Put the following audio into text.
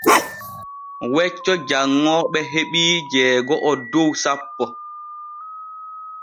Wecco janŋooɓe heɓii jeego’o dow sappo.